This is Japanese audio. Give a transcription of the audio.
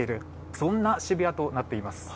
そんな渋谷となっています。